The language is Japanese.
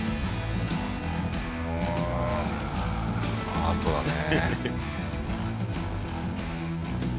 アートだね。